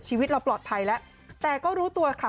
ชีวิตเราปลอดภัยแล้วแต่ก็รู้ตัวค่ะ